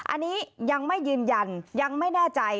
อันนี้ยังไม่ยืนยันยังไม่แน่ใจ